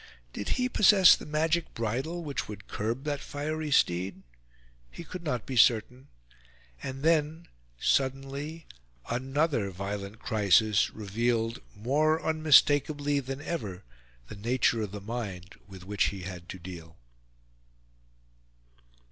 Did he possess the magic bridle which would curb that fiery steed? He could not be certain. And then, suddenly, another violent crisis revealed more unmistakably than ever the nature of the mind with which he had to deal.